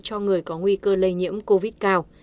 cho người có nguy cơ lây nhiễm covid cao